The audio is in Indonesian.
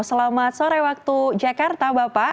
selamat sore waktu jakarta bapak